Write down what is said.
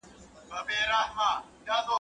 چي په مرگ ئې ونيسې، په تبه به راضي سي.